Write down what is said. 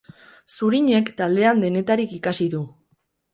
Zurinek taldean denetarik ikasi du.